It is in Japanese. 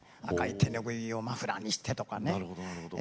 「赤い手ぬぐいマフラーにして」とかね。